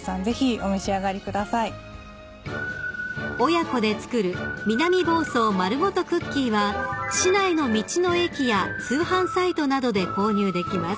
［親子で作る南房総まるごとクッキーは市内の道の駅や通販サイトなどで購入できます］